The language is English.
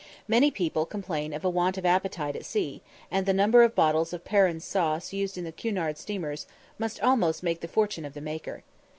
Many people complain of a want of appetite at sea, and the number of bottles of "Perrin's Sauce" used in the Cunard steamers must almost make the fortune of the maker.